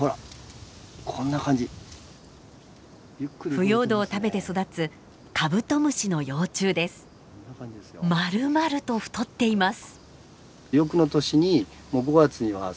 腐葉土を食べて育つまるまると太っています。